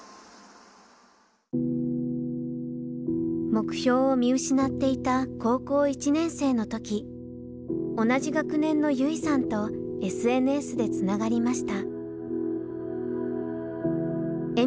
目標を見失っていた高校１年生の時同じ学年の優生さんとＳＮＳでつながりました。笑